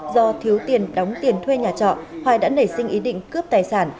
do thiếu tiền đóng tiền thuê nhà trọ hoài đã nảy sinh ý định cướp tài sản